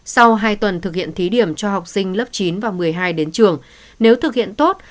sau hai tuần thực hiện thí điểm cho học sinh lớp chín và một mươi hai đến trường nếu thực hiện tốt